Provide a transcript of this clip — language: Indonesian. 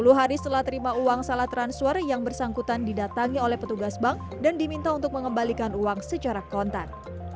sepuluh hari setelah terima uang salah transfer yang bersangkutan didatangi oleh petugas bank dan diminta untuk mengembalikan uang secara kontan